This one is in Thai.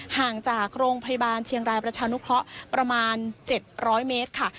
ห่างจากโรงพยาบาลเชียงรายประชานุเคราะห์ประมาณ๗๐๐เมตรค่ะ